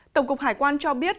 tổng cục hải quan cho biết